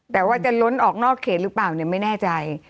แต่ว่าจะล้นออกนอกเขตหรือเปล่าเนี่ยไม่แน่ใจ